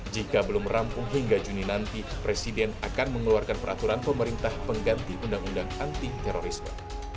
jika belum rampung hingga juni nanti presiden akan mengeluarkan peraturan pemerintah pengganti undang undang anti terorisme